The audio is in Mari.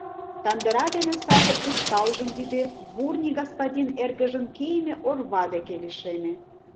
Кандыра дене саде ушкалжым вӱден, Бурни господин эргыжын кийыме орва деке лишеме.